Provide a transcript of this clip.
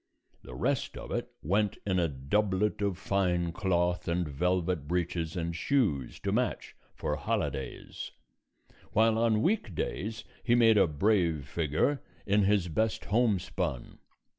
The rest of it went in a doublet of fine cloth and velvet breeches and shoes to match for holidays, while on week days he made a brave figure in his best homespun.